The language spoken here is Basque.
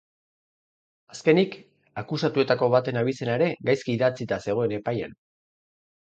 Azkenik, akusatuetako baten abizena ere gaizki idatzita zegoen epaian.